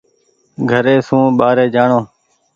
گھري سون ٻآري جآڻو۔